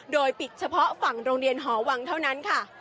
โดยปิดเฉพาะฝั่งโรงเรียนหอวังเท่านั้นค่ะ